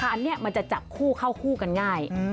อันนี้มันจะจับคู่เข้าคู่กันง่าย